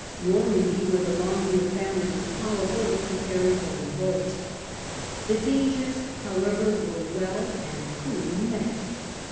Normandy, where the Longue ville family was powerful, was preparing for revolt. The dangers however were well and coolly met.